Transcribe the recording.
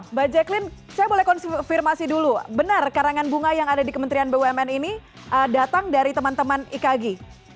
mbak jacqueline saya boleh konfirmasi dulu benar karangan bunga yang ada di kementerian bumn ini datang dari teman teman ikagi